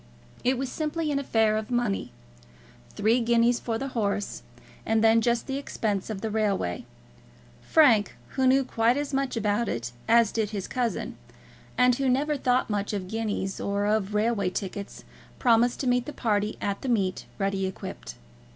It was simply an affair of money. Three guineas for the horse, and then just the expense of the railway. Frank, who knew quite as much about it as did his cousin, and who never thought much of guineas or of railway tickets, promised to meet the party at the meet ready equipped.